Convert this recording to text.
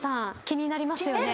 気になりますよね。